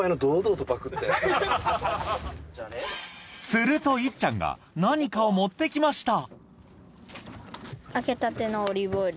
するといっちゃんが何かを持ってきました